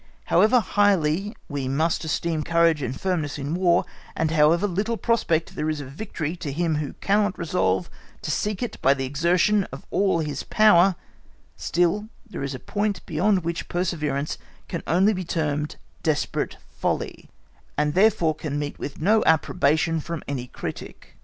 However highly we must esteem courage and firmness in War, and however little prospect there is of victory to him who cannot resolve to seek it by the exertion of all his power, still there is a point beyond which perseverance can only be termed desperate folly, and therefore can meet with no approbation from any critic.